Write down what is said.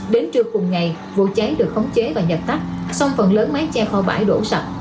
đến trưa cùng ngày vụ cháy được khống chế và giật tắt song phần lớn mái che kho bãi đổ sập